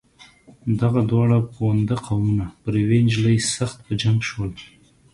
دغه دواړه پوونده قومونه پر یوې نجلۍ سخت په جنګ شول.